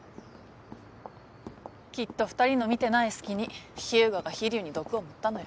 きっと２人の見てない隙に秘羽我が秘龍に毒を盛ったのよ。